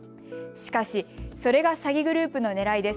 しかし、それが詐欺グループのねらいです。